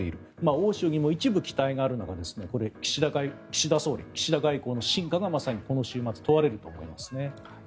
欧州にも一部期待がある中岸田総理、岸田外交の真価がまさにこの週末問われると思いますね。